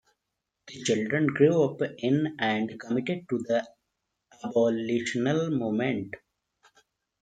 The children grew up in and committed to the abolitional movement.